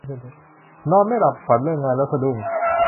นอนไม่หลับ ฝันเรื่องงานแล้วสะดุ้ง